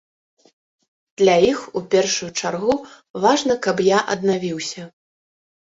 Для іх у першую чаргу важна, каб я аднавіўся.